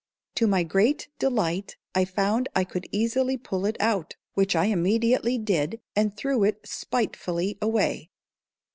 To my great delight I found I could easily pull it out, which I immediately did, and threw it spitefully away.